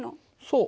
そう。